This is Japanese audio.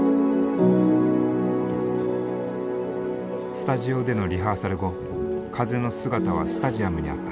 スタジオでのリハーサル後風の姿はスタジアムにあった。